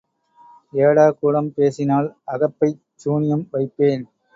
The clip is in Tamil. ஏடாகூடம் பேசினால் அகப்பைச் சூனியம் வைப்பேன்.